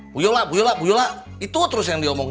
bu yola bu yola bu yola itu terus yang diomongin